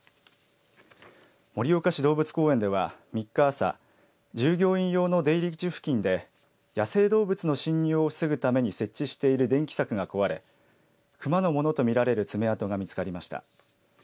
盛岡市動物公園では３日朝従業員用の出入り口付近で野生動物の侵入を防ぐために設置している電気柵が壊れ熊のものと見られる爪痕が見つかりました。